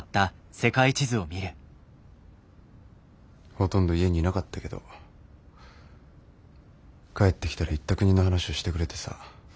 ほとんど家にいなかったけど帰ってきたら行った国の話をしてくれてさ。